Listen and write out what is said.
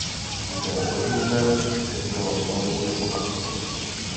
Zde Rosenberg definoval malbu jako akci.